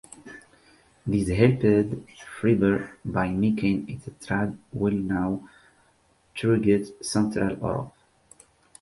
This helped Fribourg by making its trades well known throughout central Europe.